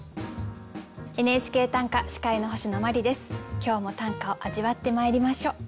今日も短歌を味わってまいりましょう。